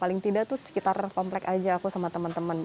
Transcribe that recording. paling tidak sekitar komplek saja aku bersama teman teman